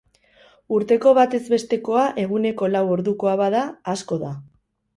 Urteko batez bestekoa eguneko lau ordukoa bada, asko da.